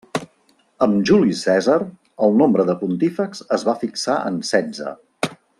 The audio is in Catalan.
Amb Juli Cèsar, el nombre de pontífex es va fixar en setze.